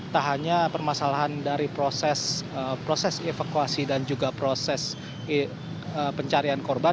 tak hanya permasalahan dari proses evakuasi dan juga proses pencarian korban